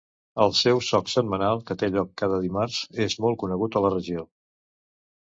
El seu soc setmanal, que té lloc cada dimarts, és molt conegut a la regió.